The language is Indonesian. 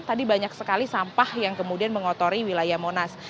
tadi banyak sekali sampah yang kemudian mengotori wilayah monas